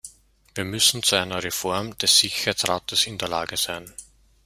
Wir müssen zu einer Reform des Sicherheitsrates in der Lage sein.